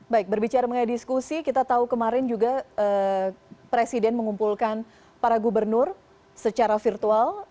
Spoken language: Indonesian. baik berbicara mengenai diskusi kita tahu kemarin juga presiden mengumpulkan para gubernur secara virtual